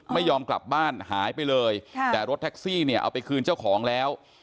ไม่ยอมกลับบ้านหายไปเลยค่ะแต่รถแท็กซี่เนี่ยเอาไปคืนเจ้าของแล้ว